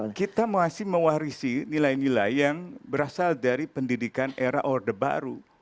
karena kita masih mewarisi nilai nilai yang berasal dari pendidikan era orde baru